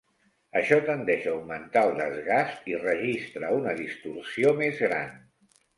Això tendeix a augmentar el desgast i registra una distorsió més gran.